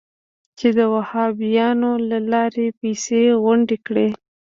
چې د وهابیانو له لارې پیسې غونډې کړي.